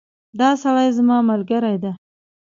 دا سړی زما ملګری ده